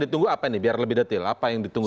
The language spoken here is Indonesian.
ditunggu apa nih biar lebih detail apa yang ditunggu